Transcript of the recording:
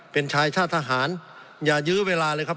เป็นชายชาติทหารอย่ายื้อเวลาเลยครับ